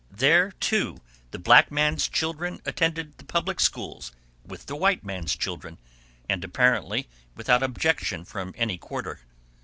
There, too, the black man's children attended the public schools with the white man's children, and apparently without objection from any quarter.